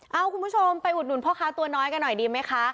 เอาคุณผู้ชมไปอุดหนุนพ่อค้าตัวน้อยกันหน่อยดีไหมคะ